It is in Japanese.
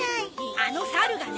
あの猿がね。